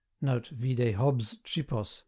[Note: Vide Hobbes' Tripos, ch.